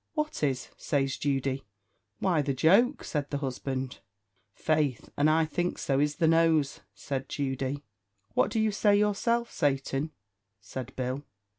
"What is?" says Judy. "Why, the joke," said the husband. "Faith, and I think so is the nose," said Judy. "What do you say yourself, Satan?" said Bill.